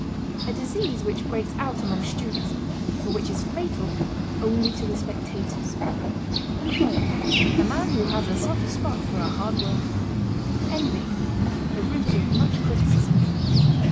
A disease which breaks out among students, but which is fatal only to the spectators. EMPLOYER. A man who has a soft spot for a hard worker. ENVY. The root of much criticism.